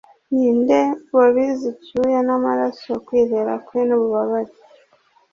Ninde wabize icyuya n'amaraso, kwizera kwe n'ububabare,